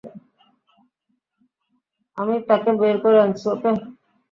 আমি তাকে বের করে আনছি, ওকে?